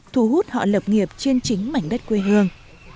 thu hút họ lập nghiệp trên chính mảnh đất quê hương